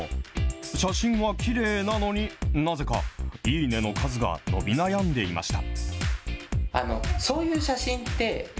写真はきれいなのに、なぜか、いいね！の数が伸び悩んでいました。